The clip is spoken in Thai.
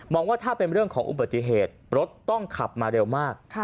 ว่าถ้าเป็นเรื่องของอุบัติเหตุรถต้องขับมาเร็วมาก